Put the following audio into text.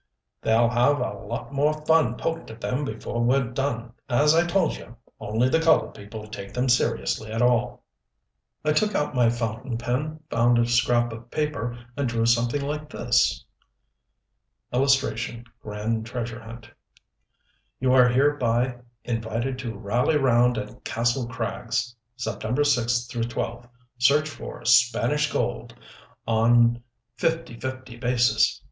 "They'll have a lot more fun poked at them before we're done. As I told you only the colored people take them seriously at all." I took out my fountain pen, found a scrap of paper, and drew something like this: [Illustration: GRAND TREASURE HUNT You are hereby invited to rally round at KASTLE KRAGS Sept. 6 12; search for SPANISH GOLD on 50 50 basis.